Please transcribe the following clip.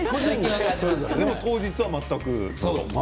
でも当日は全く。